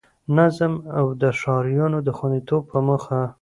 نظم او د ښاريانو د خوندیتوب په موخه